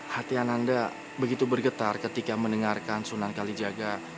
hati ananda begitu bergetar ketika mendengarkan sunan kalijaga